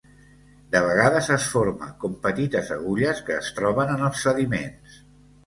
De vegades es forma com petites agulles que es troben en els sediments.